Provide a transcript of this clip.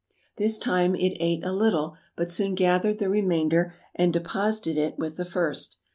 This time it ate a little, but soon gathered the remainder and deposited it with the first.